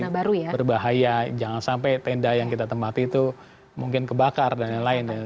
yang berpotensi berbahaya jangan sampai tenda yang kita tempat itu mungkin kebakar dan lain lain